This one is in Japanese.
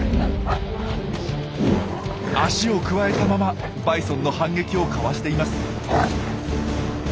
足をくわえたままバイソンの反撃をかわしています。